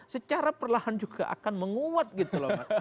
secara perlahan juga akan menguat gitu loh